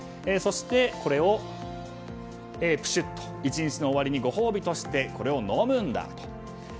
そしてこれをプシュッと１日の終わりのご褒美としてこれを飲むんだと。